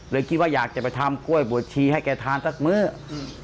คิดว่าอยากจะไปทำกล้วยบวชชีให้แกทานสักมื้ออืม